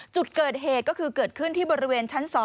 จุดเกิดเหตุก็คือเกิดขึ้นที่บริเวณชั้น๒